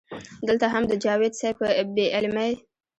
دلته هم د جاوېد صېب پۀ بې علمۍ